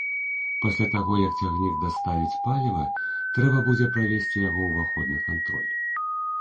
Пасля таго як цягнік даставіць паліва, трэба будзе правесці яго ўваходны кантроль.